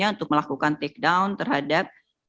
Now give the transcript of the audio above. untuk melakukan takedown terhadap empat ribu produk